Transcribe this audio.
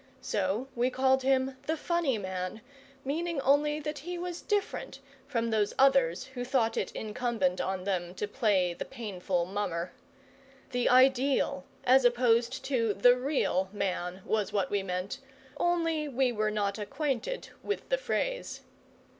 So we called him the funny man, meaning only that he was different from those others who thought it incumbent on them to play the painful mummer. The ideal as opposed to the real man was what we meant, only we were not acquainted with the phrase.